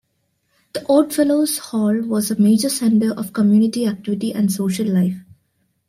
The Oddfellows Hall was a major center of community activity and social life.